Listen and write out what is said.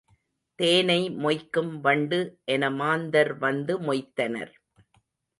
தேனை மொய்க்கும் வண்டு என மாந்தர் வந்து மொய்த்தனர்.